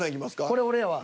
これ俺やわ。